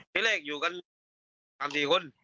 พี่เล็กอยู่กัน๓๔คน